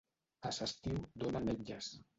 A s'estiu dona ametlles